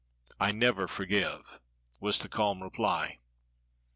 "I never forgive," was the calm reply.